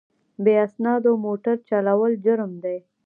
بې اسنادو موټر چلول جرم دی.